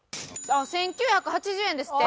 １９８０円ですって。